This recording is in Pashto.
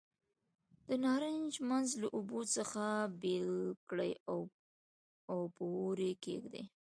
د نارنج منځ له اوبو څخه بېل کړئ او په اور یې کېږدئ.